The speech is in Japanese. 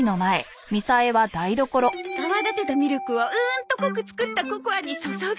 泡立てたミルクをうんと濃く作ったココアに注ぐ。